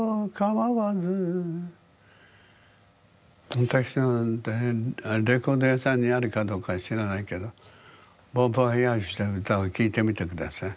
昔のレコード屋さんにあるかどうか知らないけど「ボン・ヴォワヤージュ」って歌を聴いてみて下さい。